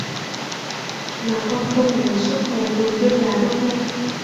mà con không muốn suốt ngày cầm viên đá đâu mẹ